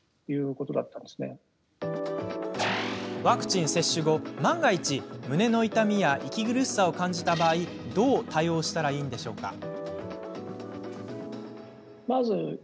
ワクチン接種後、万が一胸の痛みや息苦しさを感じた場合どう対応したらいいのでしょうか？